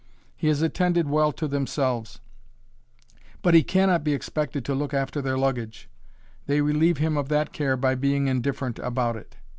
He has attended well to themselves, but he cannot be expected to look after their luggage: they relieve him of that care by being indifferent about it.